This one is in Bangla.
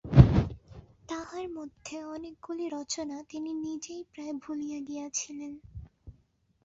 তাহার মধ্যে অনেকগুলি রচনা তিনি নিজেই প্রায় ভুলিয়া গিয়াছিলেন।